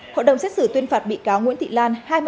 hội đồng xét xử tuyên phạt bị cáo nguyễn thị lan